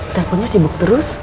teleponnya sibuk terus